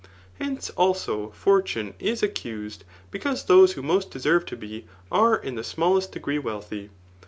Hence, also, fortune is accused, because those who most deserve to be, are in the smallest degree, wealthy.